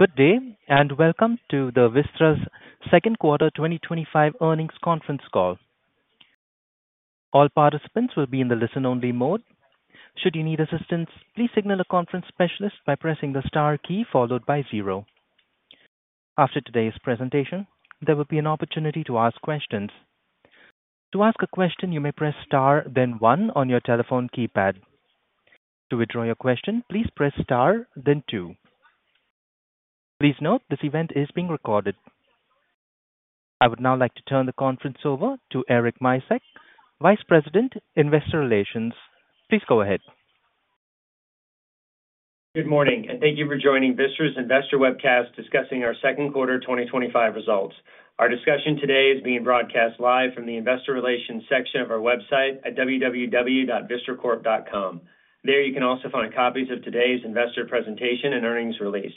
Good day and welcome to Vistra's Second Quarter 2025 Earnings Conference Call. All participants will be in listen-only mode. Should you need assistance, please signal a conference specialist by pressing the star key followed by zero. After today's presentation, there will be an opportunity to ask questions. To ask a question, you may press star, then one on your telephone keypad. To withdraw your question, please press star, then two. Please note this event is being recorded. I would now like to turn the conference over to Eric Micek, Vice President, Investor Relations. Please go ahead. Good morning and thank you for joining Vistra's Investor Webcast discussing our second quarter 2025 results. Our discussion today is being broadcast live from the Investor Relations section of our website at www.vistracorp.com. There you can also find copies of today's investor presentation and earnings release.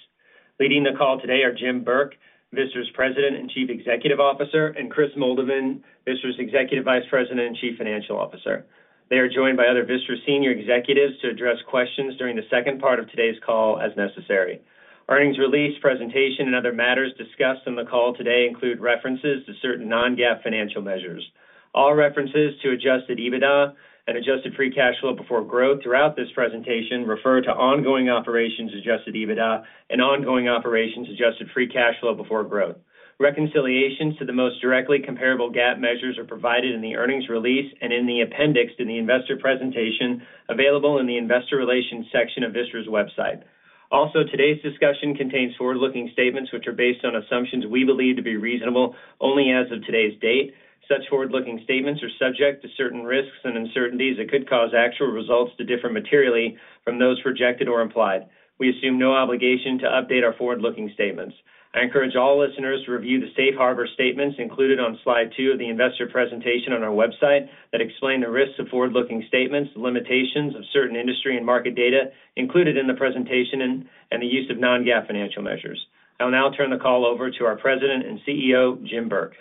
Leading the call today are Jim Burke, Vistra's President and Chief Executive Officer, and Kris Moldovan, Vistra's Executive Vice President and Chief Financial Officer. They are joined by other Vistra senior executives to address questions during the second part of today's call as necessary. Earnings release, presentation, and other matters discussed in the call today include references to certain non-GAAP financial measures. All references to adjusted EBITDA and adjusted free cash flow before growth throughout this presentation refer to ongoing operations adjusted EBITDA and ongoing operations adjusted free cash flow before growth. Reconciliations to the most directly comparable GAAP measures are provided in the earnings release and in the appendix to the investor presentation available in the Investor Relations section of Vistra's website. Also, today's discussion contains forward-looking statements which are based on assumptions we believe to be reasonable only as of today's date. Such forward-looking statements are subject to certain risks and uncertainties that could cause actual results to differ materially from those projected or implied. We assume no obligation to update our forward-looking statements. I encourage all listeners to review the safe harbor statements included on slide two of the investor presentation on our website that explain the risks of forward-looking statements, the limitations of certain industry and market data included in the presentation, and the use of non-GAAP financial measures. I'll now turn the call over to our President and CEO, Jim Burke.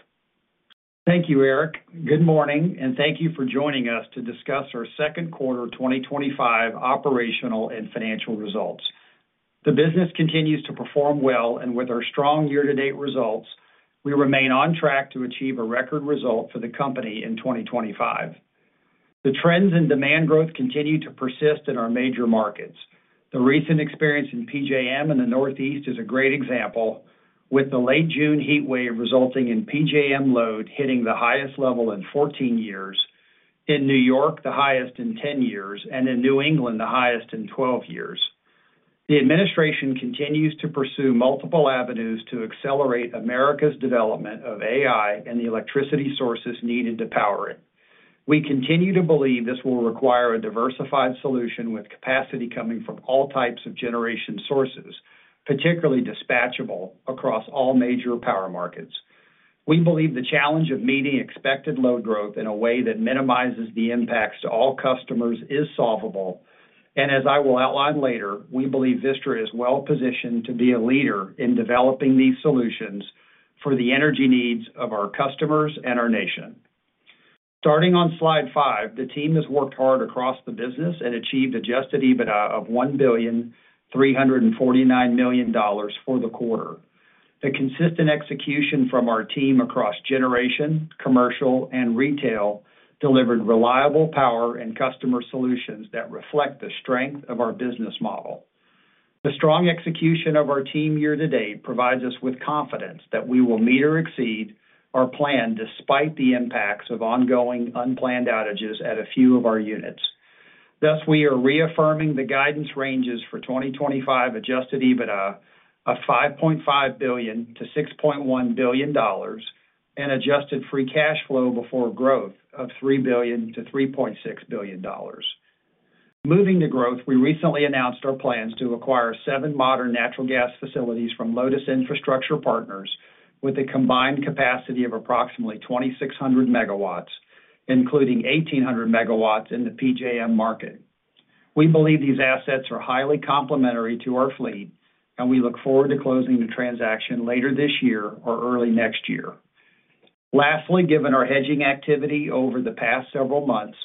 Thank you, Eric. Good morning and thank you for joining us to discuss our second quarter 2025 operational and financial results. The business continues to perform well, and with our strong year-to-date results, we remain on track to achieve a record result for the company in 2025. The trends in demand growth continue to persist in our major markets. The recent experience in PJM in the Northeast is a great example, with the late June heatwave resulting in PJM load hitting the highest level in 14 years, in New York the highest in 10 years, and in New England the highest in 12 years. The administration continues to pursue multiple avenues to accelerate America's development of AI and the electricity sources needed to power it. We continue to believe this will require a diversified solution with capacity coming from all types of generation sources, particularly dispatchable across all major power markets. We believe the challenge of meeting expected load growth in a way that minimizes the impacts to all customers is solvable, and as I will outline later, we believe Vistra is well positioned to be a leader in developing these solutions for the energy needs of our customers and our nation. Starting on slide five, the team has worked hard across the business and achieved adjusted EBITDA of $1.349 billion for the quarter. The consistent execution from our team across generation, commercial, and retail delivered reliable power and customer solutions that reflect the strength of our business model. The strong execution of our team year to date provides us with confidence that we will meet or exceed our plan despite the impacts of ongoing unplanned outages at a few of our units. Thus, we are reaffirming the guidance ranges for 2025 adjusted EBITDA of $5.5 billion-$6.1 billion and adjusted free cash flow before growth of $3 billion-$3.6 billion. Moving to growth, we recently announced our plans to acquire seven modern natural gas facilities from Lotus Infrastructure Partners with a combined capacity of approximately 2,600 MW, including 1,800 MW in the PJM market. We believe these assets are highly complementary to our fleet, and we look forward to closing the transaction later this year or early next year. Lastly, given our hedging activity over the past several months,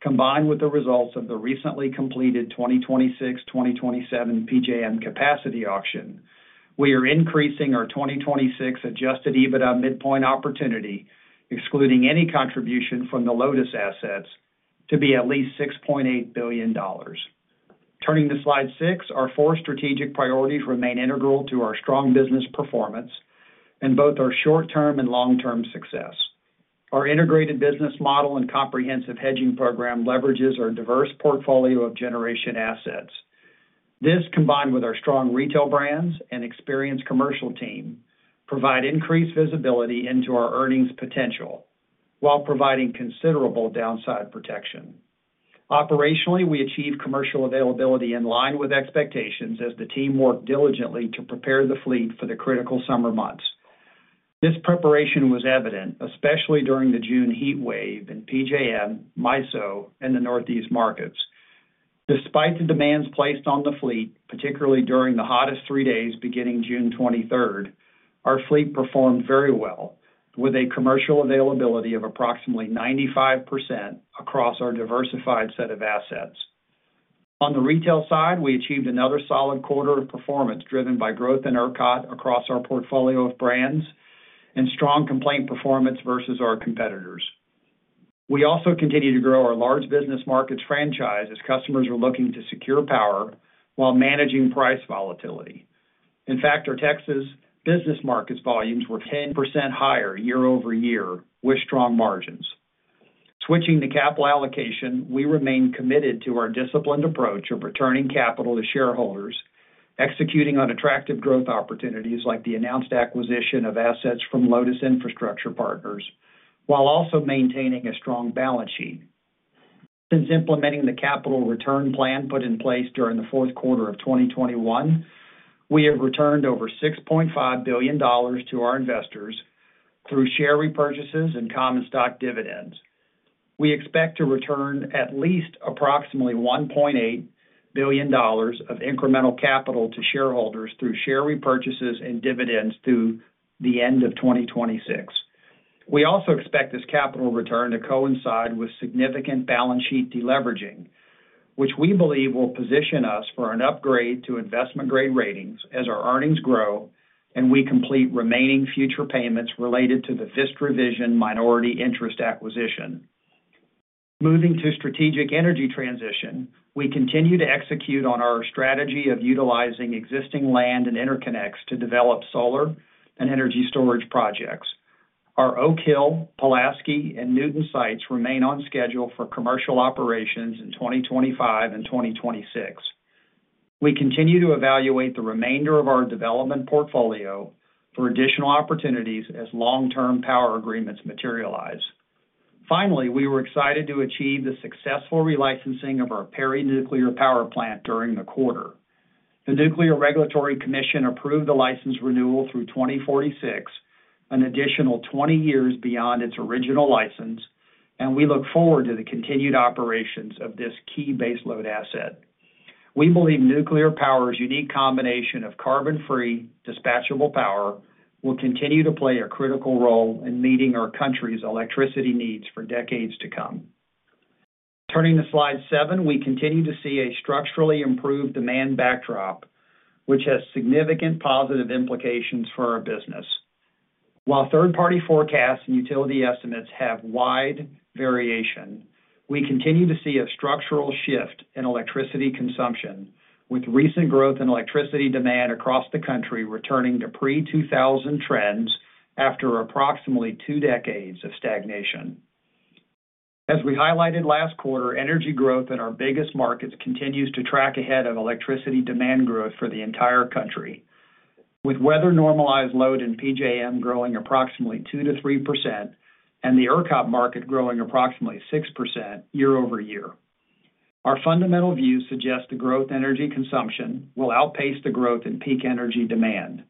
combined with the results of the recently completed 2026-2027 PJM capacity auction, we are increasing our 2026 adjusted EBITDA midpoint opportunity, excluding any contribution from the Lotus assets, to be at least $6.8 billion. Turning to slide six, our four strategic priorities remain integral to our strong business performance and both our short-term and long-term success. Our integrated business model and comprehensive hedging program leverages our diverse portfolio of generation assets. This, combined with our strong retail brands and experienced commercial team, provide increased visibility into our earnings potential while providing considerable downside protection. Operationally, we achieve commercial availability in line with expectations as the team worked diligently to prepare the fleet for the critical summer months. This preparation was evident, especially during the June heatwave in PJM, MISO, and the Northeast markets. Despite the demands placed on the fleet, particularly during the hottest three days beginning June 23rd, our fleet performed very well with a commercial availability of approximately 95% across our diversified set of assets. On the retail side, we achieved another solid quarter of performance driven by growth in ERCOT across our portfolio of brands and strong complaint performance versus our competitors. We also continue to grow our large business markets franchise as customers are looking to secure power while managing price volatility. In fact, our Texas business markets volumes were 10% higher year-over-year with strong margins. Switching to capital allocation, we remain committed to our disciplined approach of returning capital to shareholders, executing on attractive growth opportunities like the announced acquisition of assets from Lotus Infrastructure Partners, while also maintaining a strong balance sheet. Since implementing the capital return plan put in place during the fourth quarter of 2021, we have returned over $6.5 billion to our investors through share repurchases and common stock dividends. We expect to return at least approximately $1.8 billion of incremental capital to shareholders through share repurchases and dividends through the end of 2026. We also expect this capital return to coincide with significant balance sheet deleveraging, which we believe will position us for an upgrade to investment-grade ratings as our earnings grow and we complete remaining future payments related to the FIST revision minority interest acquisition. Moving to strategic energy transition, we continue to execute on our strategy of utilizing existing land and interconnects to develop solar and energy storage projects. Our Oak Hill, Pulaski, and Newton sites remain on schedule for commercial operations in 2025 and 2026. We continue to evaluate the remainder of our development portfolio for additional opportunities as long-term power agreements materialize. Finally, we were excited to achieve the successful relicensing of our Perry Nuclear Power Plant during the quarter. The Nuclear Regulatory Commission approved the license renewal through 2046, an additional 20 years beyond its original license, and we look forward to the continued operations of this key baseload asset. We believe nuclear power's unique combination of carbon-free, dispatchable power will continue to play a critical role in meeting our country's electricity needs for decades to come. Turning to slide seven, we continue to see a structurally improved demand backdrop, which has significant positive implications for our business. While third-party forecasts and utility estimates have wide variation, we continue to see a structural shift in electricity consumption, with recent growth in electricity demand across the country returning to pre-2000 trends after approximately two decades of stagnation. As we highlighted last quarter, energy growth in our biggest markets continues to track ahead of electricity demand growth for the entire country, with weather-normalized load in PJM growing approximately 2%-3% and the ERCOT market growing approximately 6% year-over-year. Our fundamental views suggest the growth in energy consumption will outpace the growth in peak energy demand.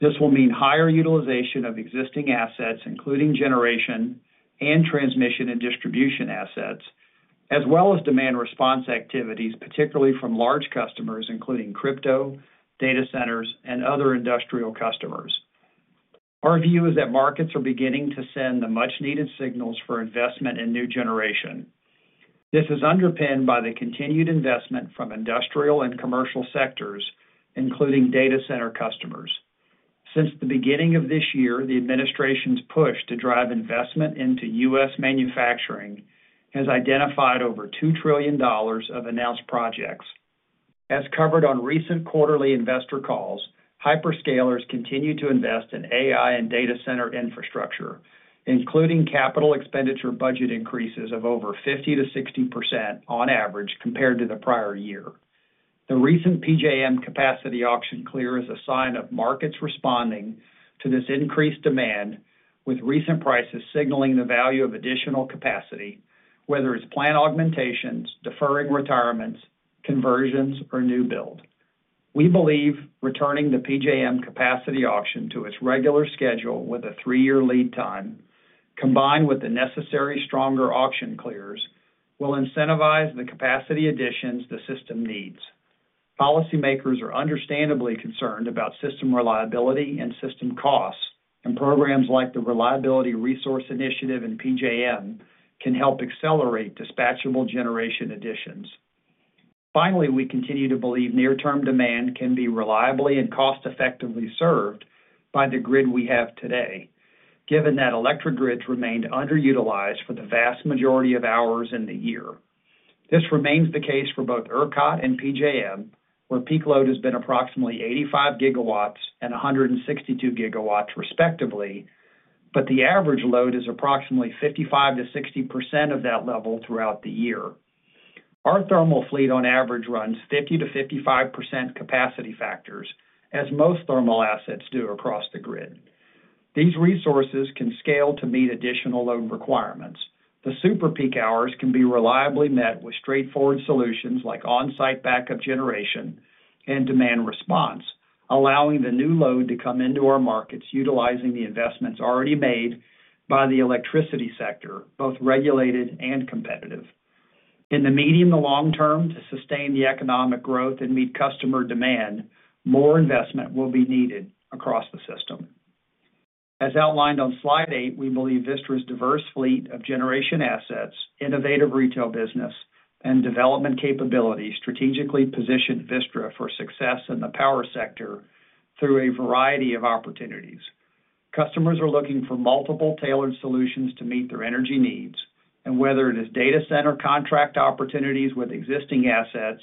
This will mean higher utilization of existing assets, including generation and transmission and distribution assets, as well as demand response activities, particularly from large customers including crypto, data centers, and other industrial customers. Our view is that markets are beginning to send the much-needed signals for investment in new generation. This is underpinned by the continued investment from industrial and commercial sectors, including data center customers. Since the beginning of this year, the administration's push to drive investment into U.S. manufacturing has identified over $2 trillion of announced projects. As covered on recent quarterly investor calls, hyperscalers continue to invest in AI and data center infrastructure, including capital expenditure budget increases of over 50%-60% on average compared to the prior year. The recent PJM capacity auction clear is a sign of markets responding to this increased demand, with recent prices signaling the value of additional capacity, whether it's planned augmentations, deferring retirements, conversions, or new build. We believe returning the PJM capacity auction to its regular schedule with a three-year lead time, combined with the necessary stronger auction clears, will incentivize the capacity additions the system needs. Policymakers are understandably concerned about system reliability and system costs, and programs like the Reliability Resource Initiative in PJM can help accelerate dispatchable generation additions. Finally, we continue to believe near-term demand can be reliably and cost-effectively served by the grid we have today, given that electric grids remained underutilized for the vast majority of hours in the year. This remains the case for both ERCOT and PJM, where peak load has been approximately 85 GW and 162 GW respectively, but the average load is approximately 55%-60% of that level throughout the year. Our thermal fleet on average runs 50%-55% capacity factors, as most thermal assets do across the grid. These resources can scale to meet additional load requirements. The super peak hours can be reliably met with straightforward solutions like on-site backup generation and demand response, allowing the new load to come into our markets utilizing the investments already made by the electricity sector, both regulated and competitive. In the medium to long term, to sustain the economic growth and meet customer demand, more investment will be needed across the system. As outlined on slide eight, we believe Vistra's diverse fleet of generation assets, innovative retail business, and development capabilities strategically position Vistra for success in the power sector through a variety of opportunities. Customers are looking for multiple tailored solutions to meet their energy needs, and whether it is data center contract opportunities with existing assets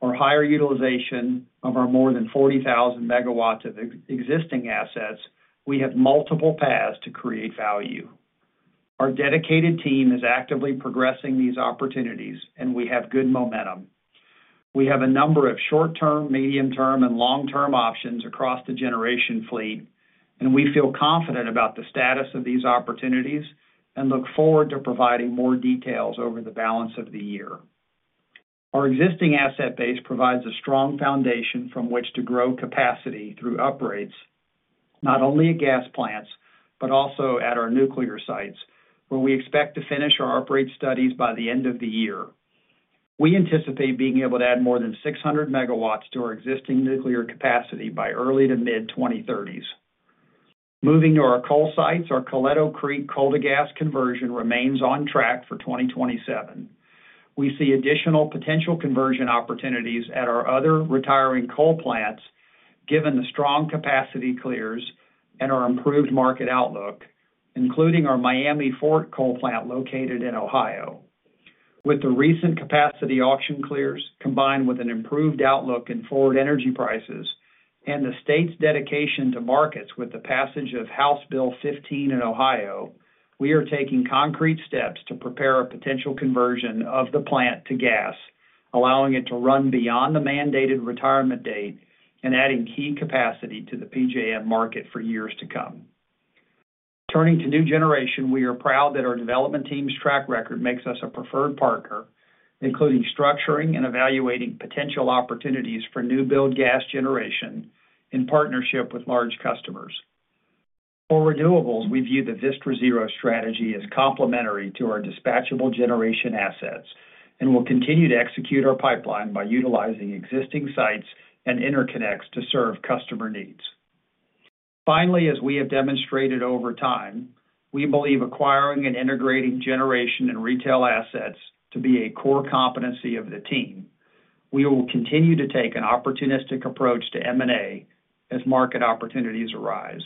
or higher utilization of our more than 40,000 MW of existing assets, we have multiple paths to create value. Our dedicated team is actively progressing these opportunities, and we have good momentum. We have a number of short-term, medium-term, and long-term options across the generation fleet, and we feel confident about the status of these opportunities and look forward to providing more details over the balance of the year. Our existing asset base provides a strong foundation from which to grow capacity through upgrades, not only at gas plants but also at our nuclear sites, where we expect to finish our upgrade studies by the end of the year. We anticipate being able to add more than 600 MW to our existing nuclear capacity by early to mid-2030s. Moving to our coal sites, our Coleto Creek coal-to-gas conversion remains on track for 2027. We see additional potential conversion opportunities at our other retiring coal plants, given the strong capacity clears and our improved market outlook, including our Miami Fort coal plant located in Ohio. With the recent capacity auction clears, combined with an improved outlook in forward energy prices and the state's dedication to markets with the passage of House Bill 15 in Ohio, we are taking concrete steps to prepare a potential conversion of the plant to gas, allowing it to run beyond the mandated retirement date and adding key capacity to the PJM market for years to come. Turning to new generation, we are proud that our development team's track record makes us a preferred partner, including structuring and evaluating potential opportunities for new build gas generation in partnership with large customers. For renewables, we view the Vistra Zero strategy as complementary to our dispatchable generation assets and will continue to execute our pipeline by utilizing existing sites and interconnects to serve customer needs. Finally, as we have demonstrated over time, we believe acquiring and integrating generation and retail assets to be a core competency of the team. We will continue to take an opportunistic approach to M&A as market opportunities arise.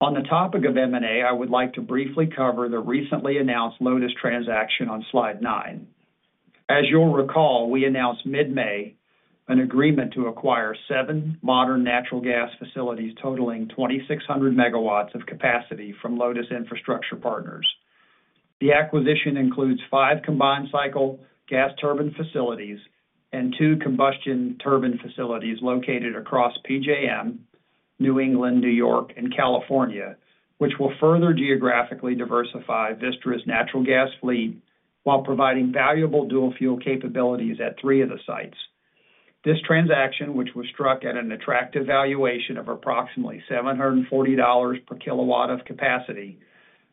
On the topic of M&A, I would like to briefly cover the recently announced Lotus transaction on slide nine. As you'll recall, we announced mid-May an agreement to acquire seven modern natural gas facilities totaling 2,600 MW of capacity from Lotus Infrastructure Partners. The acquisition includes five combined cycle gas turbine facilities and two combustion turbine facilities located across PJM, New England, New York, and California, which will further geographically diversify Vistra's natural gas fleet while providing valuable dual-fuel capabilities at three of the sites. This transaction, which was struck at an attractive valuation of approximately $740 per kW of capacity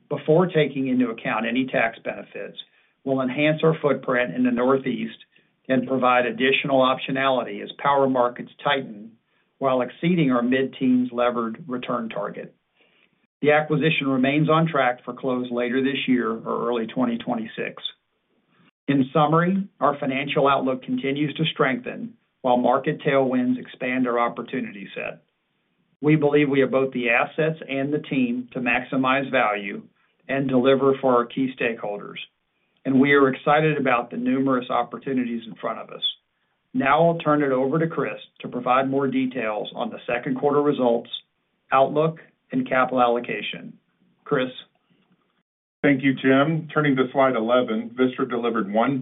before taking into account any tax benefits, will enhance our footprint in the Northeast and provide additional optionality as power markets tighten while exceeding our mid-teens levered return target. The acquisition remains on track for close later this year or early 2026. In summary, our financial outlook continues to strengthen while market tailwinds expand our opportunity set. We believe we have both the assets and the team to maximize value and deliver for our key stakeholders, and we are excited about the numerous opportunities in front of us. Now I'll turn it over to Kris to provide more details on the second quarter results, outlook, and capital allocation. Kris? Thank you, Jim. Turning to slide 11, Vistra delivered $1.349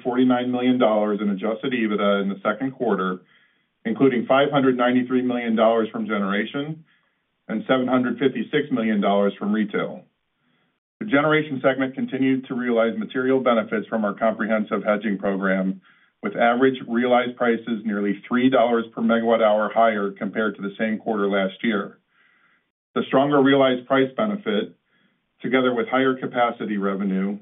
billion in adjusted EBITDA in the second quarter, including $593 million from generation and $756 million from retail. The generation segment continued to realize material benefits from our comprehensive hedging program, with average realized prices nearly $3 per MW hour higher compared to the same quarter last year. The stronger realized price benefit, together with higher capacity revenue,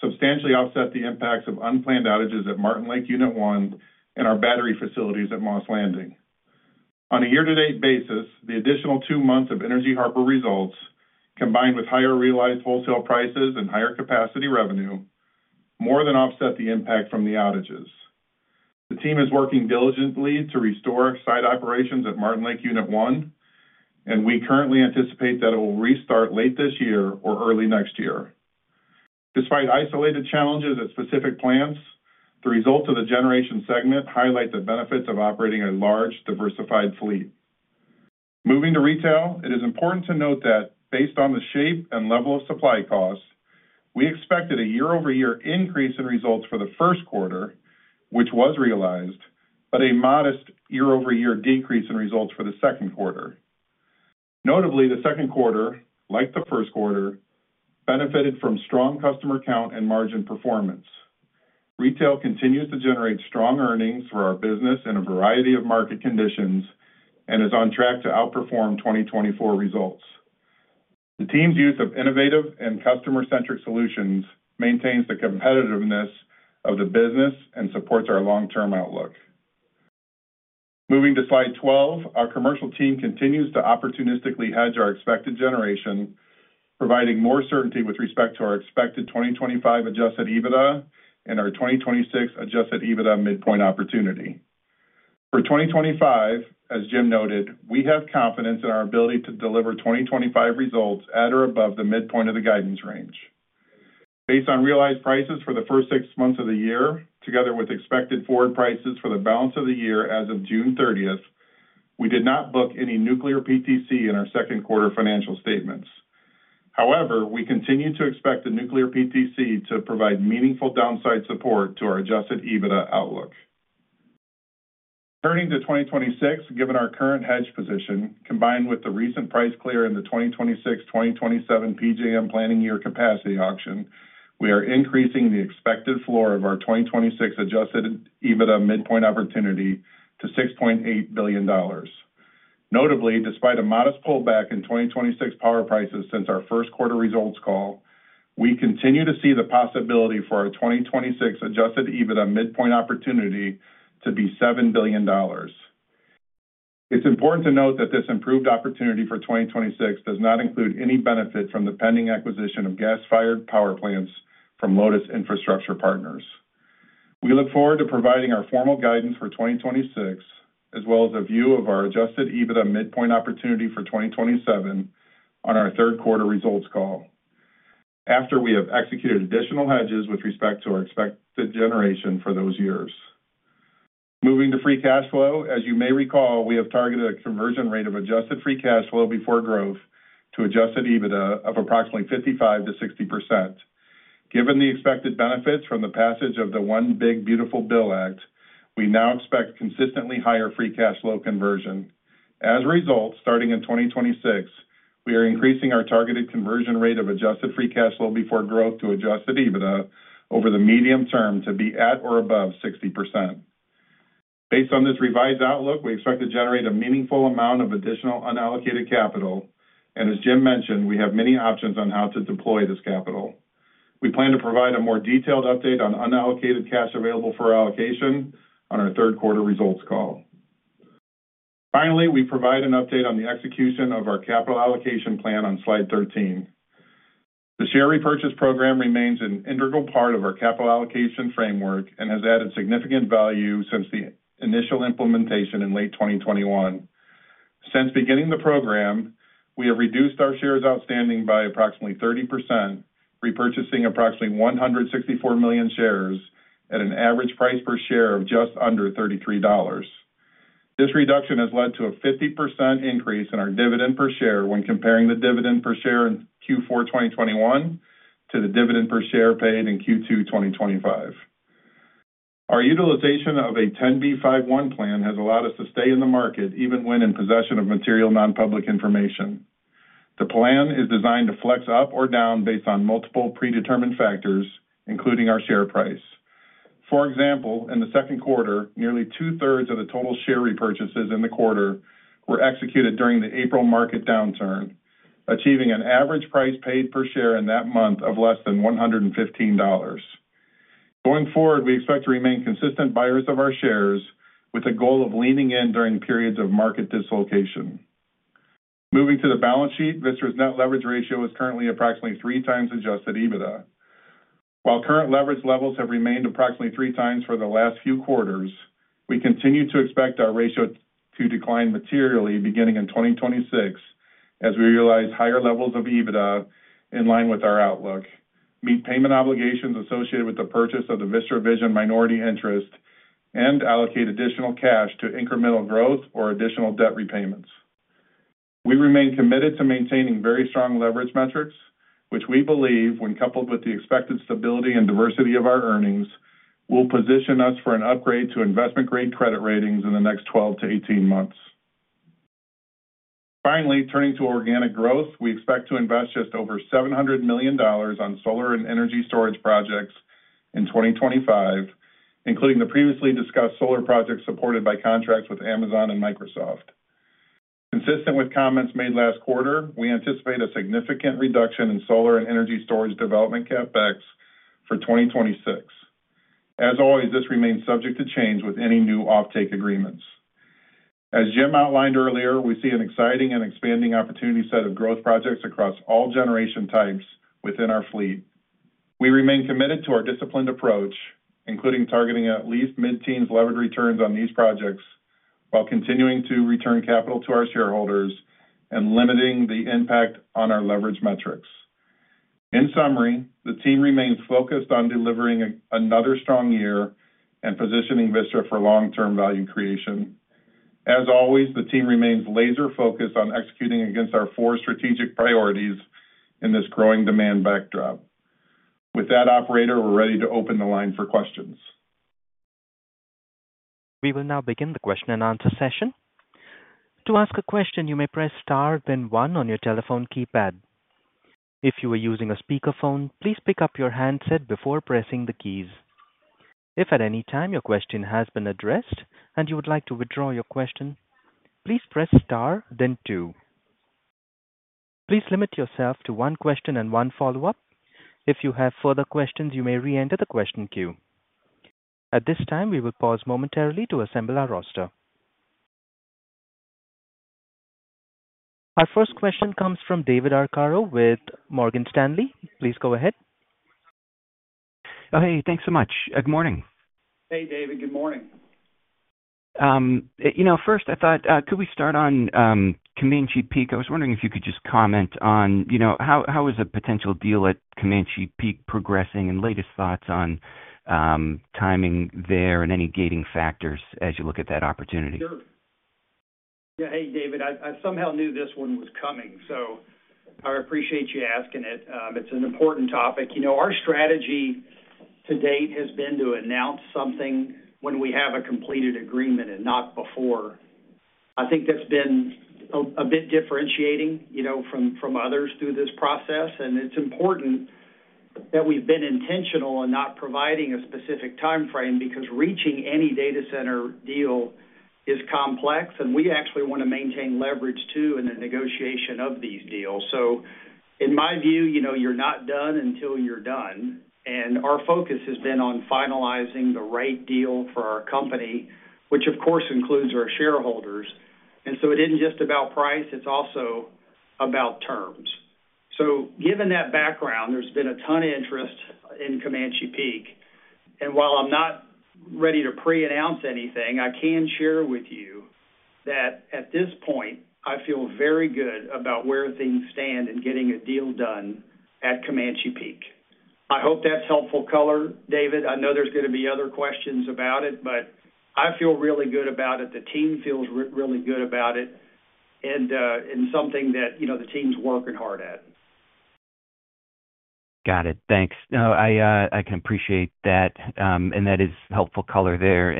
substantially offset the impacts of unplanned outages at Martin Lake Unit 1 and our battery facilities at Moss Landing. On a year-to-date basis, the additional two months of Energy Harbor results, combined with higher realized wholesale prices and higher capacity revenue, more than offset the impact from the outages. The team is working diligently to restore site operations at Martin Lake Unit 1, and we currently anticipate that it will restart late this year or early next year. Despite isolated challenges at specific plants, the results of the generation segment highlight the benefits of operating a large, diversified fleet. Moving to retail, it is important to note that based on the shape and level of supply costs, we expected a year-over-year increase in results for the first quarter, which was realized, but a modest year-over-year decrease in results for the second quarter. Notably, the second quarter, like the first quarter, benefited from strong customer count and margin performance. Retail continues to generate strong earnings for our business in a variety of market conditions and is on track to outperform 2024 results. The team's use of innovative and customer-centric solutions maintains the competitiveness of the business and supports our long-term outlook. Moving to slide 12, our commercial team continues to opportunistically hedge our expected generation, providing more certainty with respect to our expected 2025 adjusted EBITDA and our 2026 adjusted EBITDA midpoint opportunity. For 2025, as Jim noted, we have confidence in our ability to deliver 2025 results at or above the midpoint of the guidance range. Based on realized prices for the first six months of the year, together with expected forward prices for the balance of the year as of June 30, we did not book any Nuclear PTC in our second quarter financial statements. However, we continue to expect a Nuclear PTC to provide meaningful downside support to our adjusted EBITDA outlook. Turning to 2026, given our current hedge position, combined with the recent price clear in the 2026-2027 PJM planning year capacity auction, we are increasing the expected floor of our 2026 adjusted EBITDA midpoint opportunity to $6.8 billion. Notably, despite a modest pullback in 2026 power prices since our first quarter results call, we continue to see the possibility for our 2026 adjusted EBITDA midpoint opportunity to be $7 billion. It's important to note that this improved opportunity for 2026 does not include any benefit from the pending acquisition of gas-fired power plants from Lotus Infrastructure Partners. We look forward to providing our formal guidance for 2026, as well as a view of our adjusted EBITDA midpoint opportunity for 2027 on our third quarter results call, after we have executed additional hedges with respect to our expected generation for those years. Moving to free cash flow, as you may recall, we have targeted a conversion rate of adjusted free cash flow before growth to adjusted EBITDA of approximately 55%-60%. Given the expected benefits from the passage of the One Big Beautiful Bill Act, we now expect consistently higher free cash flow conversion. As a result, starting in 2026, we are increasing our targeted conversion rate of adjusted free cash flow before growth to adjusted EBITDA over the medium term to be at or above 60%. Based on this revised outlook, we expect to generate a meaningful amount of additional unallocated capital, and as Jim mentioned, we have many options on how to deploy this capital. We plan to provide a more detailed update on unallocated cash available for allocation on our third quarter results call. Finally, we provide an update on the execution of our capital allocation plan on slide 13. The share repurchase program remains an integral part of our capital allocation framework and has added significant value since the initial implementation in late 2021. Since beginning the program, we have reduced our shares outstanding by approximately 30%, repurchasing approximately 164 million shares at an average price per share of just under $33. This reduction has led to a 50% increase in our dividend per share when comparing the dividend per share in Q4 2021 to the dividend per share paid in Q2 2025. Our utilization of a 10b5-1 plan has allowed us to stay in the market even when in possession of material non-public information. The plan is designed to flex up or down based on multiple predetermined factors, including our share price. For example, in the second quarter, nearly 2/3 of the total share repurchases in the quarter were executed during the April market downturn, achieving an average price paid per share in that month of less than $115. Going forward, we expect to remain consistent buyers of our shares with a goal of leaning in during periods of market dislocation. Moving to the balance sheet, Vistra's net leverage ratio is currently approximately 3x adjusted EBITDA. While current leverage levels have remained approximately 3x for the last few quarters, we continue to expect our ratio to decline materially beginning in 2026 as we realize higher levels of EBITDA in line with our outlook, meet payment obligations associated with the purchase of the Vistra Vision minority interest, and allocate additional cash to incremental growth or additional debt repayments. We remain committed to maintaining very strong leverage metrics, which we believe, when coupled with the expected stability and diversity of our earnings, will position us for an upgrade to investment-grade credit ratings in the next 12-18 months. Finally, turning to organic growth, we expect to invest just over $700 million on solar and energy storage projects in 2025, including the previously discussed solar projects supported by contracts with Amazon and Microsoft. Consistent with comments made last quarter, we anticipate a significant reduction in solar and energy storage development CapEx for 2026. As always, this remains subject to change with any new offtake agreements. As Jim outlined earlier, we see an exciting and expanding opportunity set of growth projects across all generation types within our fleet. We remain committed to our disciplined approach, including targeting at least mid-teens levered returns on these projects while continuing to return capital to our shareholders and limiting the impact on our leverage metrics. In summary, the team remains focused on delivering another strong year and positioning Vistra for long-term value creation. As always, the team remains laser-focused on executing against our four strategic priorities in this growing demand backdrop. With that, operator, we're ready to open the line for questions. We will now begin the question-and-answer session. To ask a question, you may press star, then one on your telephone keypad. If you are using a speakerphone, please pick up your handset before pressing the keys. If at any time your question has been addressed and you would like to withdraw your question, please press star, then two. Please limit yourself to one question and one follow-up. If you have further questions, you may re-enter the question queue. At this time, we will pause momentarily to assemble our roster. Our first question comes from David Arcaro with Morgan Stanley. Please go ahead. Hey, thanks so much. Good morning. Hey, David. Good morning. First, I thought, could we start on Comanche Peak? I was wondering if you could just comment on how is a potential deal at Comanche Peak progressing and latest thoughts on timing there and any gating factors as you look at that opportunity? Yeah, hey, David. I somehow knew this one was coming, so I appreciate you asking it. It's an important topic. You know, our strategy to date has been to announce something when we have a completed agreement and not before. I think that's been a bit differentiating from others through this process, and it's important that we've been intentional and not providing a specific timeframe because reaching any data center deal is complex, and we actually want to maintain leverage too in the negotiation of these deals. In my view, you're not done until you're done, and our focus has been on finalizing the right deal for our company, which of course includes our shareholders. It isn't just about price; it's also about terms. Given that background, there's been a ton of interest in Comanche Peak, and while I'm not ready to pre-announce anything, I can share with you that at this point, I feel very good about where things stand in getting a deal done at Comanche Peak. I hope that's helpful color, David. I know there's going to be other questions about it, but I feel really good about it. The team feels really good about it, and it's something that the team's working hard at. Got it. Thanks. I can appreciate that, and that is helpful color there.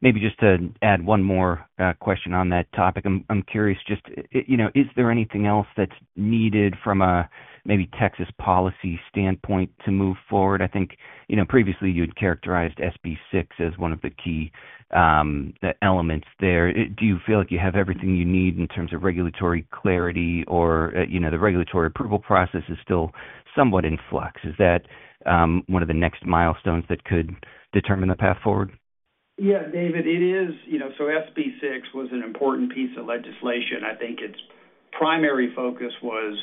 Maybe just to add one more question on that topic, I'm curious, is there anything else that's needed from a maybe Texas policy standpoint to move forward? I think previously you had characterized SB6 as one of the key elements there. Do you feel like you have everything you need in terms of regulatory clarity, or the regulatory approval process is still somewhat in flux? Is that one of the next milestones that could determine the path forward? Yeah, David, it is, you know, SB6 was an important piece of legislation. I think its primary focus was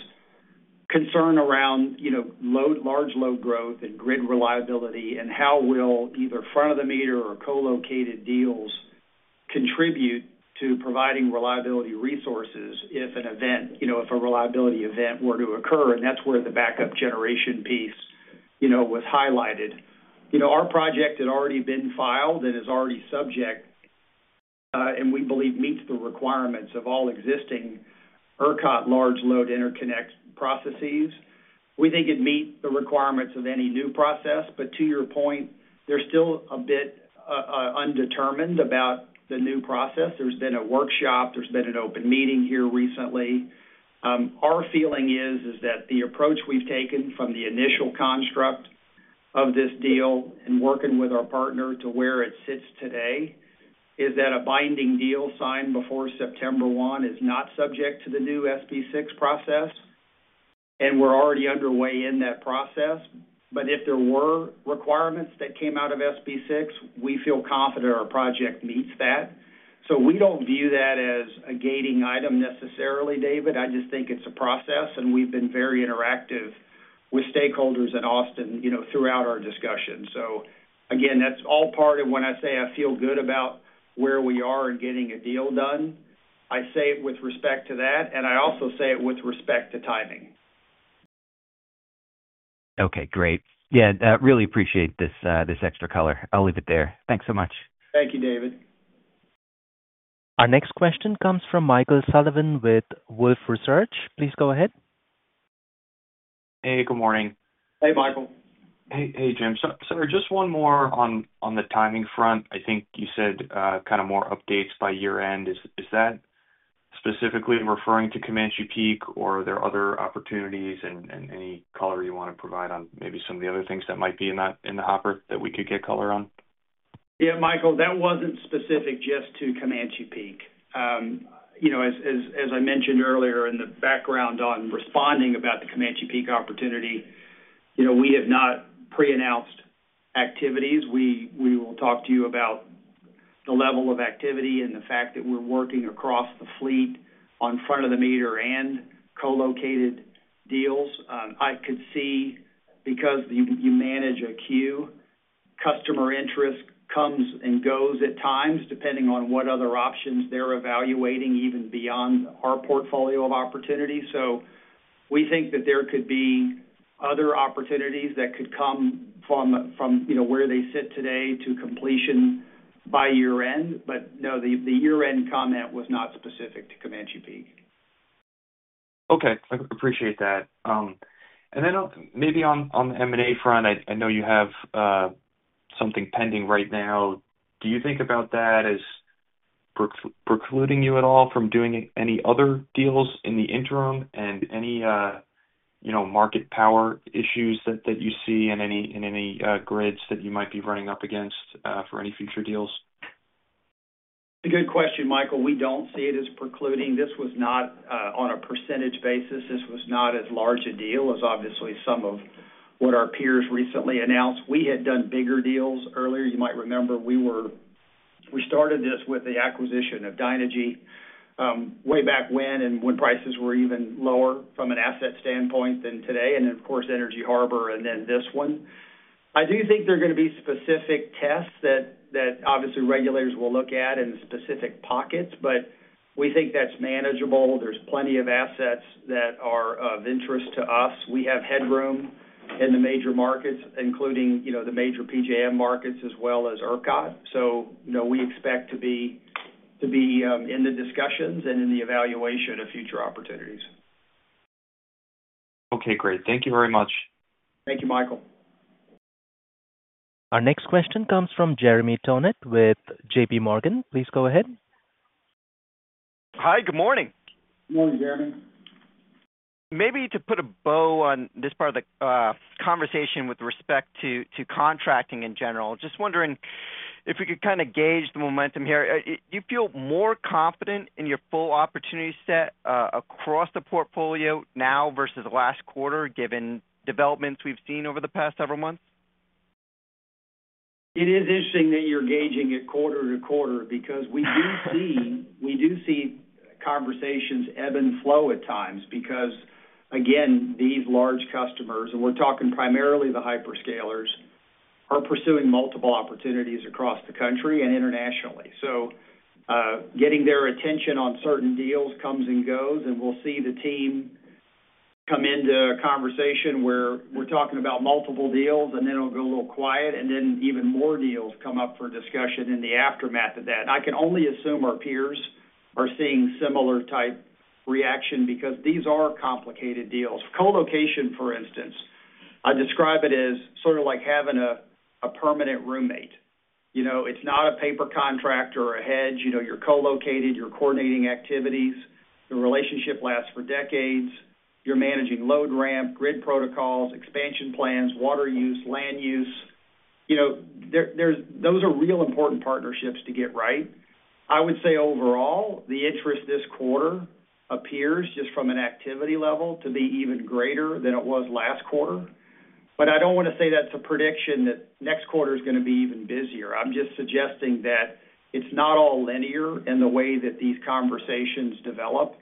concern around, you know, large load growth and grid reliability and how will either front-of-the-meter or co-located deals contribute to providing reliability resources if a reliability event were to occur, and that's where the backup generation piece was highlighted. Our project had already been filed and is already subject, and we believe meets the requirements of all existing ERCOT large load interconnect processes. We think it meets the requirements of any new process, but to your point, there's still a bit undetermined about the new process. There's been a workshop. There's been an open meeting here recently. Our feeling is that the approach we've taken from the initial construct of this deal and working with our partner to where it sits today is that a binding deal signed before September 1 is not subject to the new SB6 process, and we're already underway in that process. If there were requirements that came out of SB6, we feel confident our project meets that. We don't view that as a gating item necessarily, David. I just think it's a process, and we've been very interactive with stakeholders in Austin throughout our discussion. That's all part of when I say I feel good about where we are in getting a deal done. I say it with respect to that, and I also say it with respect to timing. Okay. Great. Yeah, I really appreciate this extra color. I'll leave it there. Thanks so much. Thank you, David. Our next question comes from Michael Sullivan with Wolfe Research. Please go ahead. Hey, good morning. Hey, Michael. Hey, Jim. Just one more on the timing front. I think you said kind of more updates by year-end. Is that specifically referring to Comanche Peak, or are there other opportunities and any color you want to provide on maybe some of the other things that might be in the hopper that we could get color on? Yeah, Michael, that wasn't specific just to Comanche Peak. As I mentioned earlier in the background on responding about the Comanche Peak opportunity, we have not pre-announced activities. We will talk to you about the level of activity and the fact that we're working across the fleet on front-of-the-meter and co-located deals. I could see, because you manage a queue, customer interest comes and goes at times depending on what other options they're evaluating even beyond our portfolio of opportunities. We think that there could be other opportunities that could come from where they sit today to completion by year-end. The year-end comment was not specific to Comanche Peak. Okay. I appreciate that. Maybe on the M&A front, I know you have something pending right now. Do you think about that as precluding you at all from doing any other deals in the interim, and any market power issues that you see in any grids that you might be running up against for any future deals? Good question, Michael. We don't see it as precluding. This was not on a percentage basis. This was not as large a deal as obviously some of what our peers recently announced. We had done bigger deals earlier. You might remember we started this with the acquisition of Dynegy way back when and when prices were even lower from an asset standpoint than today, and of course, Energy Harbor and then this one. I do think there are going to be specific tests that obviously regulators will look at in specific pockets, but we think that's manageable. There's plenty of assets that are of interest to us. We have headroom in the major markets, including the major PJM markets as well as ERCOT. We expect to be in the discussions and in the evaluation of future opportunities. Okay, great. Thank you very much. Thank you, Michael. Our next question comes from Jeremy Tonet with JPMorgan. Please go ahead. Hi, good morning. Morning, Jeremy. Maybe to put a bow on this part of the conversation with respect to contracting in general, just wondering if we could kind of gauge the momentum here. Do you feel more confident in your full opportunity set across the portfolio now versus last quarter given developments we've seen over the past several months? It is interesting that you're gauging it quarter to quarter because we do see conversations ebb and flow at times because, again, these large customers, and we're talking primarily the hyperscalers, are pursuing multiple opportunities across the country and internationally. Getting their attention on certain deals comes and goes, and we'll see the team come into a conversation where we're talking about multiple deals, and then it'll go a little quiet, and then even more deals come up for discussion in the aftermath of that. I can only assume our peers are seeing similar type reaction because these are complicated deals. Co-location, for instance, I describe it as sort of like having a permanent roommate. You know, it's not a paper contract or a hedge. You know, you're co-located, you're coordinating activities, your relationship lasts for decades, you're managing load ramp, grid protocols, expansion plans, water use, land use. You know, those are real important partnerships to get right. I would say overall, the interest this quarter appears, just from an activity level, to be even greater than it was last quarter. I don't want to say that's a prediction that next quarter is going to be even busier. I'm just suggesting that it's not all linear in the way that these conversations develop,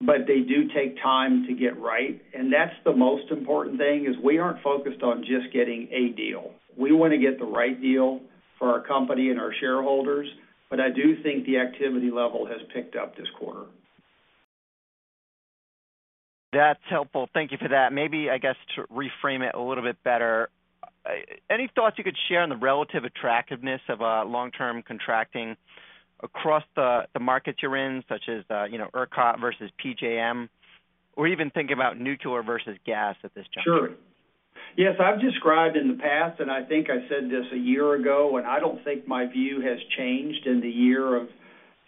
but they do take time to get right. The most important thing is we aren't focused on just getting a deal. We want to get the right deal for our company and our shareholders, but I do think the activity level has picked up this quarter. That's helpful. Thank you for that. Maybe, I guess, to reframe it a little bit better, any thoughts you could share on the relative attractiveness of long-term contracting across the markets you're in, such as ERCOT versus PJM, or even thinking about nuclear versus gas at this juncture? Sure. Yes, I've described in the past, and I think I said this a year ago, and I don't think my view has changed in the year of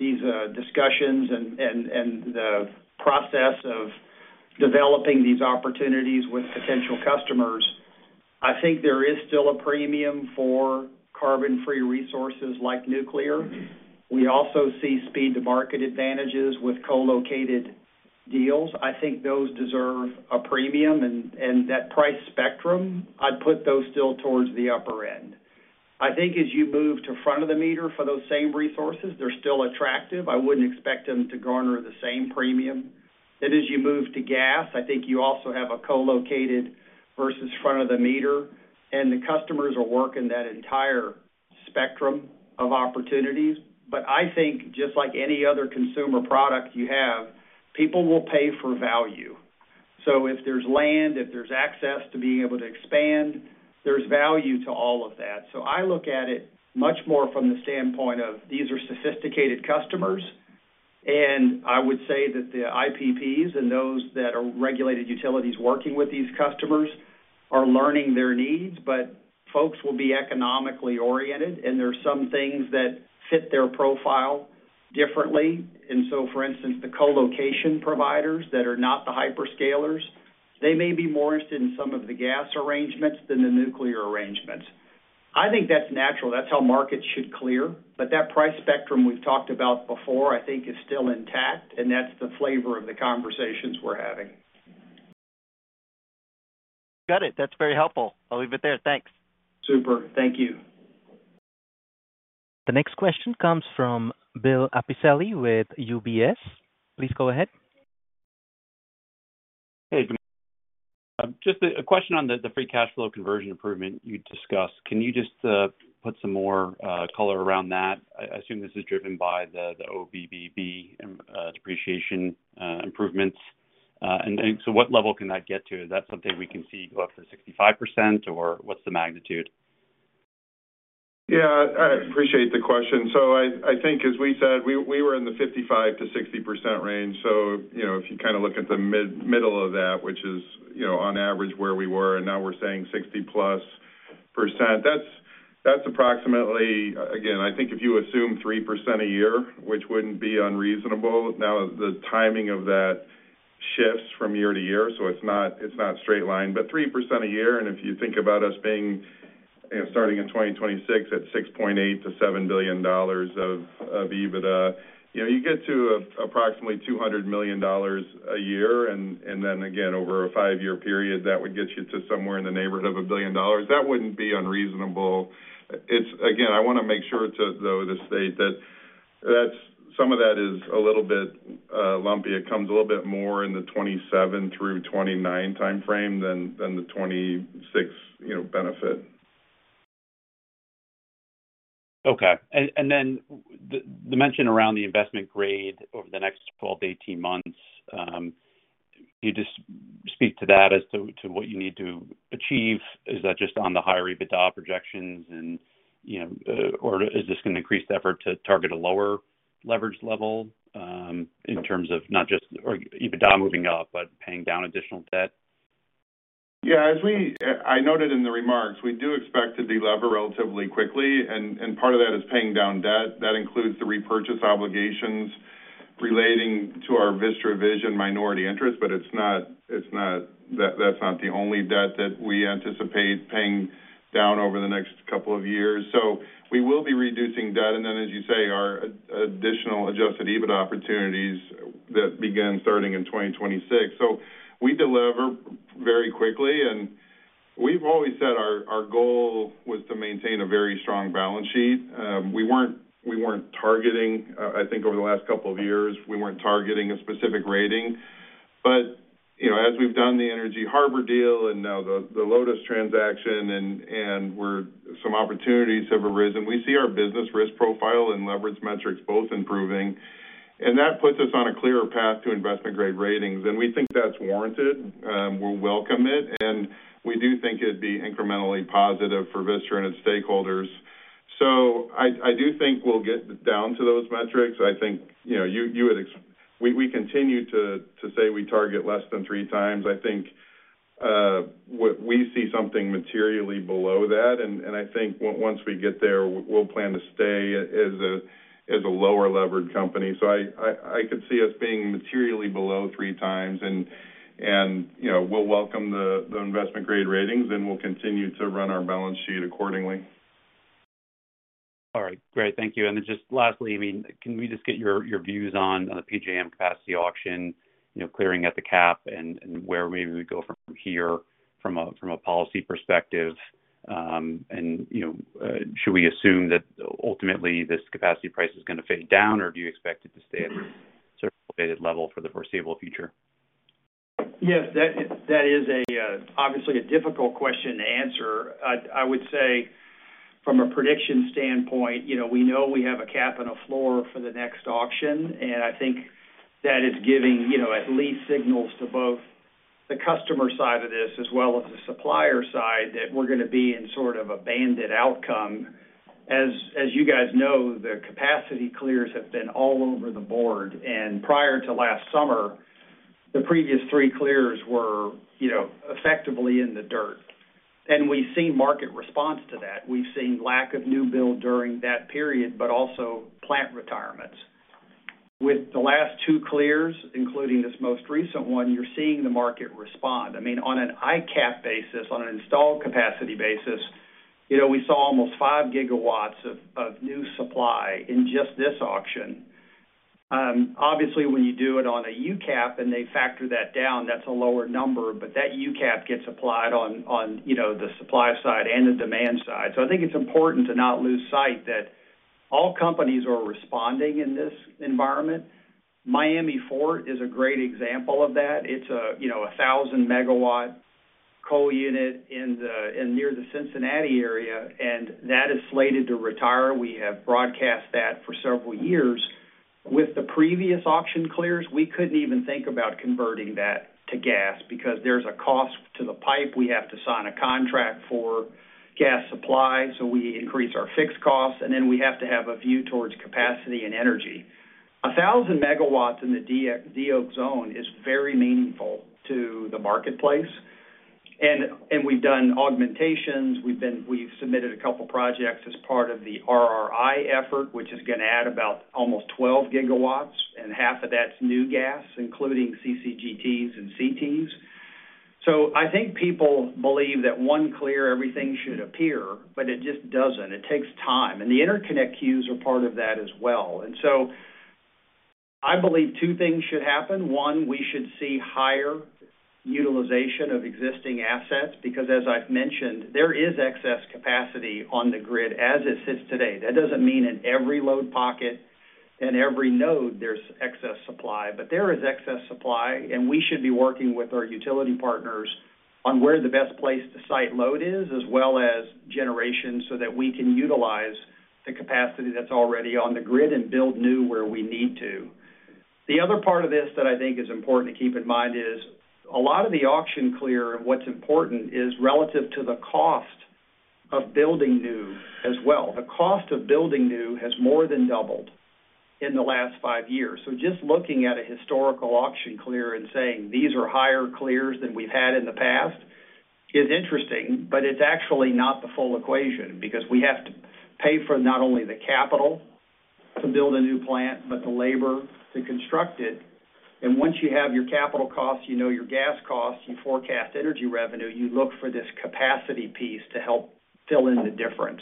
these discussions and the process of developing these opportunities with potential customers. I think there is still a premium for carbon-free resources like nuclear. We also see speed-to-market advantages with co-located deals. I think those deserve a premium, and that price spectrum, I'd put those still towards the upper end. As you move to front-of-the-meter for those same resources, they're still attractive. I wouldn't expect them to garner the same premium. As you move to gas, I think you also have a co-located versus front-of-the-meter, and the customers are working that entire spectrum of opportunities. Just like any other consumer product you have, people will pay for value. If there's land, if there's access to being able to expand, there's value to all of that. I look at it much more from the standpoint of these are sophisticated customers, and I would say that the IPPs and those that are regulated utilities working with these customers are learning their needs, but folks will be economically oriented, and there are some things that fit their profile differently. For instance, the co-location providers that are not the hyperscalers, they may be more interested in some of the gas arrangements than the nuclear arrangements. I think that's natural. That's how markets should clear. That price spectrum we've talked about before, I think, is still intact, and that's the flavor of the conversations we're having. Got it. That's very helpful. I'll leave it there. Thanks. Super. Thank you. The next question comes from Bill Appicelli with UBS. Please go ahead. Hey, just a question on the free cash flow conversion improvement you discussed. Can you just put some more color around that? I assume this is driven by the OBBB and depreciation improvements. What level can that get to? Is that something we can see go up to 65%, or what's the magnitude? Yeah, I appreciate the question. I think, as we said, we were in the 55%-60% range. If you kind of look at the middle of that, which is, on average, where we were, and now we're saying 60% plus, that's approximately, again, I think if you assume 3% a year, which wouldn't be unreasonable, the timing of that shifts from year to year. It's not straight line, but 3% a year. If you think about us being, starting in 2026 at $6.8 billion-$7 billion of EBITDA, you get to approximately $200 million a year. Over a five-year period, that would get you to somewhere in the neighborhood of $1 billion. That wouldn't be unreasonable. Again, I want to make sure to state that some of that is a little bit lumpy. It comes a little bit more in the 2027 through 2029 timeframe than the 2026 benefit. Okay. The mention around the investment grade over the next 12-18 months, can you just speak to that as to what you need to achieve? Is that just on the higher EBITDA projections, or is this going to increase the effort to target a lower leverage level in terms of not just EBITDA moving up, but paying down additional debt? Yeah, as I noted in the remarks, we do expect to delever relatively quickly, and part of that is paying down debt. That includes the repurchase obligations relating to our Vistra Vision minority interest, but that's not the only debt that we anticipate paying down over the next couple of years. We will be reducing debt, and as you say, our additional adjusted EBITDA opportunities that begin starting in 2026. We deliver very quickly, and we've always said our goal was to maintain a very strong balance sheet. We weren't targeting, I think, over the last couple of years, we weren't targeting a specific rating. As we've done the Energy Harbor deal and now the Lotus transaction, and some opportunities have arisen, we see our business risk profile and leverage metrics both improving. That puts us on a clearer path to investment-grade ratings. We think that's warranted. We'll welcome it. We do think it'd be incrementally positive for Vistra and its stakeholders. I do think we'll get down to those metrics. I think, you know, we continue to say we target less than three times. I think we see something materially below that. I think once we get there, we'll plan to stay as a lower leverage company. I could see us being materially below three times. We'll welcome the investment-grade ratings, and we'll continue to run our balance sheet accordingly. All right. Great. Thank you. Lastly, can we just get your views on the PJM capacity auction, you know, clearing at the cap and where maybe we go from here from a policy perspective? Should we assume that ultimately this capacity price is going to fade down, or do you expect it to stay at a circulated level for the foreseeable future? Yeah, that is obviously a difficult question to answer. I would say from a prediction standpoint, we know we have a cap and a floor for the next auction. I think that it's giving at least signals to both the customer side of this as well as the supplier side that we're going to be in sort of a banded outcome. As you guys know, the capacity clears have been all over the board. Prior to last summer, the previous three clears were effectively in the dirt. We've seen market response to that. We've seen lack of new build during that period, but also plant retirements. With the last two clears, including this most recent one, you're seeing the market respond. I mean, on an ICAP basis, on an installed capacity basis, we saw almost 5 GW of new supply in just this auction. Obviously, when you do it on a UCAP, and they factor that down, that's a lower number, but that UCAP gets applied on the supply side and the demand side. I think it's important to not lose sight that all companies are responding in this environment. Miami Fort is a great example of that. It's a 1,000 MW coal unit near the Cincinnati area, and that is slated to retire. We have broadcast that for several years. With the previous auction clears, we couldn't even think about converting that to gas because there's a cost to the pipe. We have to sign a contract for gas supply, so we increase our fixed costs, and then we have to have a view towards capacity and energy. 1,000 MW in the DEOK zone is very meaningful to the marketplace. We've done augmentations. We've submitted a couple of projects as part of the RRI effort, which is going to add about almost 12 GW, and half of that's new gas, including CCGTs and CTs. I think people believe that one clear, everything should appear, but it just doesn't. It takes time. The interconnect queues are part of that as well. I believe two things should happen. One, we should see higher utilization of existing assets because, as I've mentioned, there is excess capacity on the grid as it sits today. That doesn't mean in every load pocket and every node there's excess supply, but there is excess supply, and we should be working with our utility partners on where the best place to site load is, as well as generation, so that we can utilize the capacity that's already on the grid and build new where we need to. The other part of this that I think is important to keep in mind is a lot of the auction clear and what's important is relative to the cost of building new as well. The cost of building new has more than doubled in the last five years. Just looking at a historical auction clear and saying these are higher clears than we've had in the past is interesting, but it's actually not the full equation because we have to pay for not only the capital to build a new plant, but the labor to construct it. Once you have your capital costs, you know your gas costs, you forecast energy revenue, you look for this capacity piece to help fill in the difference.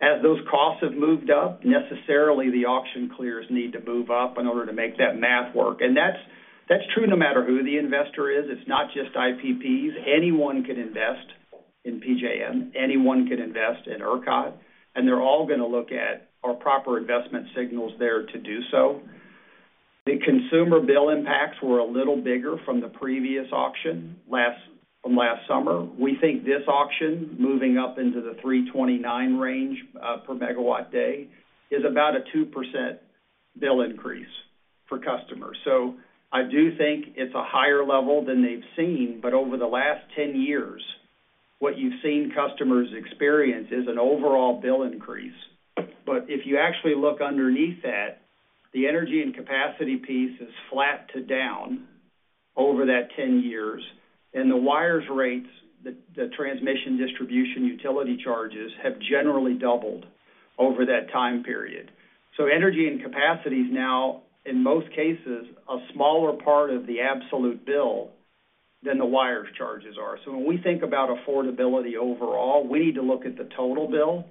As those costs have moved up, necessarily the auction clears need to move up in order to make that math work. That's true no matter who the investor is. It's not just IPPs. Anyone can invest in PJM, anyone can invest in ERCOT, and they're all going to look at our proper investment signals there to do so. The consumer bill impacts were a little bigger from the previous auction last summer. We think this auction, moving up into the $3.29 range per MW day, is about a 2% bill increase for customers. I do think it's a higher level than they've seen, but over the last 10 years, what you've seen customers experience is an overall bill increase. If you actually look underneath that, the energy and capacity piece is flat to down over that 10 years, and the wires rates, the transmission distribution utility charges have generally doubled over that time period. Energy and capacity is now, in most cases, a smaller part of the absolute bill than the wires charges are. When we think about affordability overall, we need to look at the total bill,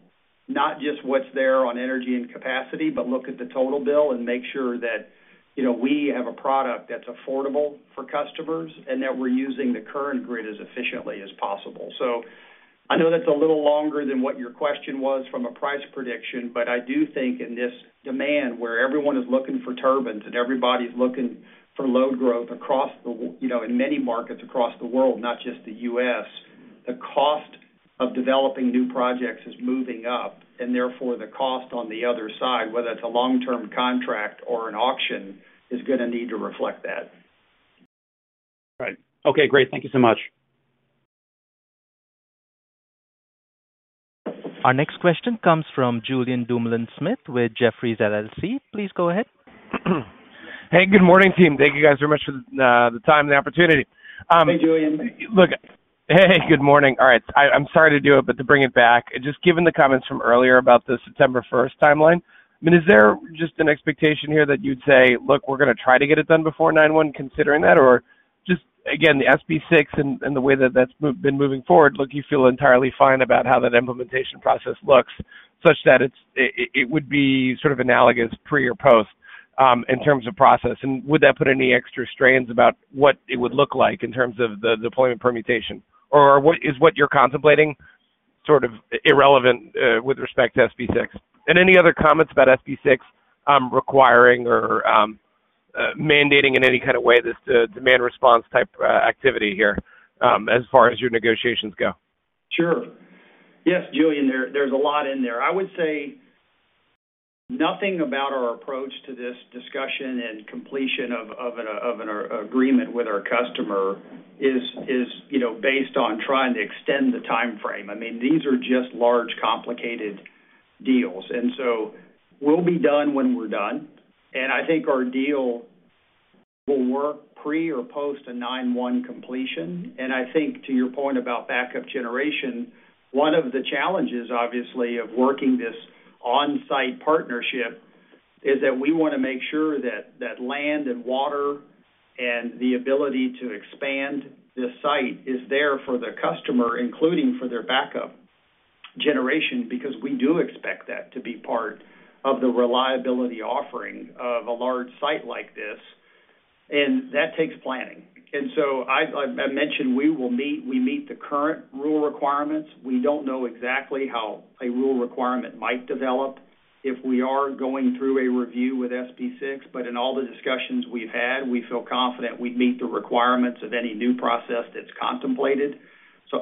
not just what's there on energy and capacity, but look at the total bill and make sure that we have a product that's affordable for customers and that we're using the current grid as efficiently as possible. I know that's a little longer than what your question was from a price prediction, but I do think in this demand where everyone is looking for turbines and everybody's looking for load growth in many markets across the world, not just the U.S., the cost of developing new projects is moving up, and therefore the cost on the other side, whether it's a long-term contract or an auction, is going to need to reflect that. Right. Okay, great. Thank you so much. Our next question comes from Julien Dumoulin-Smith with Jefferies LLC. Please go ahead. Hey, good morning, team. Thank you very much for the time and the opportunity. Hey, Julien. Look, good morning. I'm sorry to do it, but to bring it back, just given the comments from earlier about the September 1st timeline, is there just an expectation here that you'd say, "Look, we're going to try to get it done before 9/1," considering that, or just, again, the SB6 and the way that that's been moving forward, you feel entirely fine about how that implementation process looks such that it would be sort of analogous pre or post in terms of process? Would that put any extra strains about what it would look like in terms of the deployment permutation? Is what you're contemplating sort of irrelevant with respect to SB6? Any other comments about SB6 requiring or mandating in any kind of way this demand response type activity here as far as your negotiations go? Sure. Yes, Julien, there's a lot in there. I would say nothing about our approach to this discussion and completion of an agreement with our customer is based on trying to extend the timeframe. These are just large, complicated deals, and we'll be done when we're done. I think our deal will work pre or post a 9/1 completion. I think to your point about backup generation, one of the challenges, obviously, of working this on-site partnership is that we want to make sure that land and water and the ability to expand this site is there for the customer, including for their backup generation, because we do expect that to be part of the reliability offering of a large site like this. That takes planning. I mentioned we meet the current rule requirements. We don't know exactly how a rule requirement might develop if we are going through a review with SB6, but in all the discussions we've had, we feel confident we'd meet the requirements of any new process that's contemplated.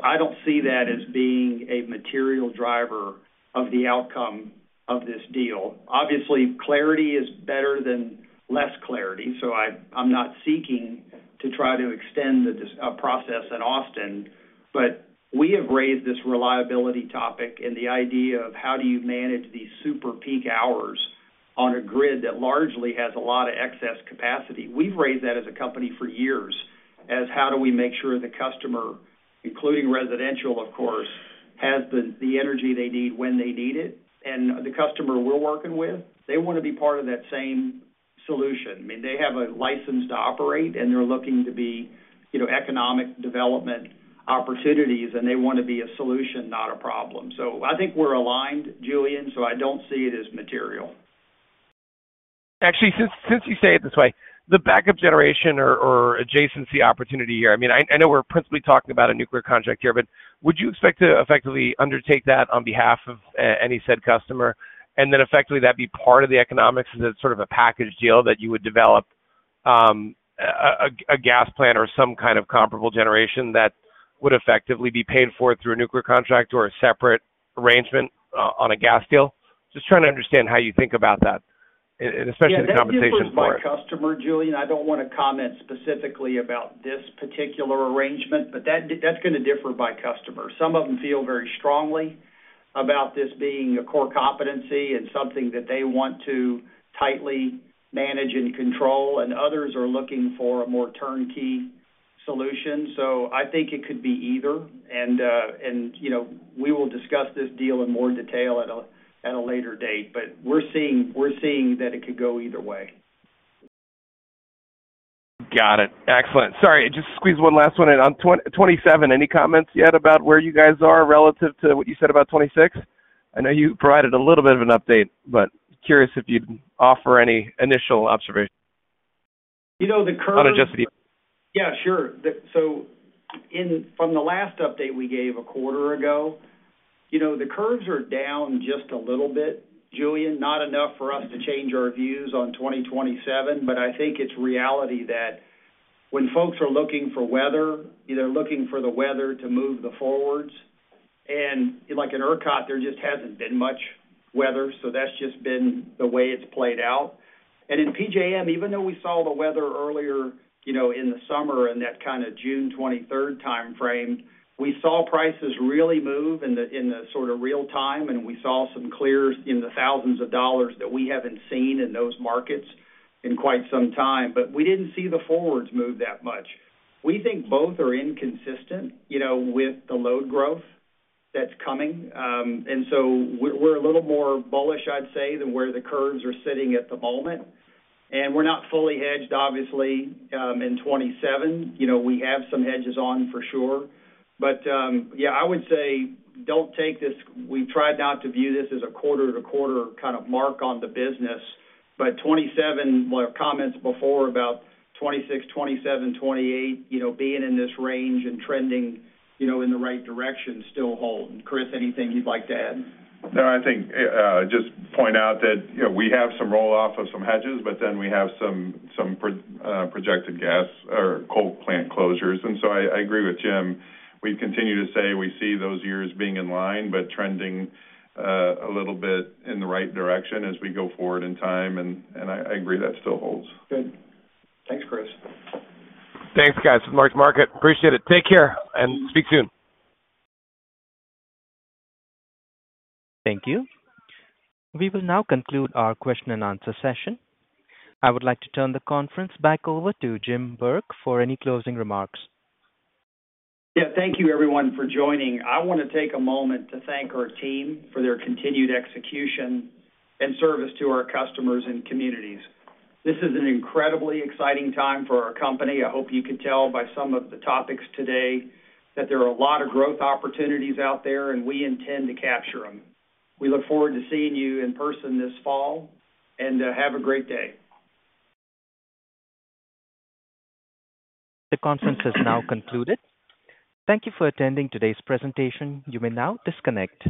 I don't see that as being a material driver of the outcome of this deal. Obviously, clarity is better than less clarity. I'm not seeking to try to extend the process that often, but we have raised this reliability topic and the idea of how do you manage these super peak hours on a grid that largely has a lot of excess capacity. We've raised that as a company for years as how do we make sure the customer, including residential, of course, has the energy they need when they need it. The customer we're working with, they want to be part of that same solution. They have a license to operate, and they're looking to be economic development opportunities, and they want to be a solution, not a problem. I think we're aligned, Julien, so I don't see it as material. Actually, since you say it this way, the backup generation or adjacency opportunity here, I mean, I know we're principally talking about a nuclear contract here, but would you expect to effectively undertake that on behalf of any said customer? Would that be part of the economics? Is it sort of a package deal that you would develop a gas plant or some kind of comparable generation that would effectively be paid for through a nuclear contract or a separate arrangement on a gas deal? Just trying to understand how you think about that, especially the compensation part. That's going to differ by customer, Julien. I don't want to comment specifically about this particular arrangement, but that's going to differ by customer. Some of them feel very strongly about this being a core competency and something that they want to tightly manage and control, while others are looking for a more turnkey solution. I think it could be either. We will discuss this deal in more detail at a later date, but we're seeing that it could go either way. Got it. Excellent. Sorry, just squeeze one last one in. On 2027, any comments yet about where you guys are relative to what you said about 2026? I know you provided a little bit of an update, but curious if you'd offer any initial observations. You know, the curve. On just the. Yeah, sure. From the last update we gave a quarter ago, the curves are down just a little bit, Julien, not enough for us to change our views on 2027. I think it's reality that when folks are looking for weather, they're looking for the weather to move the forwards. At ERCOT, there just hasn't been much weather, so that's just been the way it's played out. In PJM, even though we saw the weather earlier in the summer and that kind of June 23rd timeframe, we saw prices really move in the sort of real time, and we saw some clear in the thousands of dollars that we haven't seen in those markets in quite some time, but we didn't see the forwards move that much. We think both are inconsistent with the load growth that's coming. We're a little more bullish, I'd say, than where the curves are sitting at the moment. We're not fully hedged, obviously, in 2027. We have some hedges on for sure. I would say don't take this, we've tried not to view this as a quarter-to-quarter kind of mark on the business, but 2027, my comments before about 2026, 2027, 2028 being in this range and trending in the right direction still hold. Kris, anything you'd like to add? No, I think just point out that, you know, we have some roll-off of some hedges, but then we have some projected gas or coal plant closures. I agree with Jim. We've continued to say we see those years being in line, but trending a little bit in the right direction as we go forward in time, and I agree that still holds. Thanks, Kris. Thanks, guys. This is Mark's market. Appreciate it. Take care and speak soon. Thank you. We will now conclude our questio-and-answer session. I would like to turn the conference back over to Jim Burke for any closing remarks. Thank you, everyone, for joining. I want to take a moment to thank our team for their continued execution and service to our customers and communities. This is an incredibly exciting time for our company. I hope you could tell by some of the topics today that there are a lot of growth opportunities out there, and we intend to capture them. We look forward to seeing you in person this fall, and have a great day. The conference has now concluded. Thank you for attending today's presentation. You may now disconnect.